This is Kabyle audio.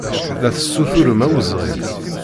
La tessuturem awezɣi.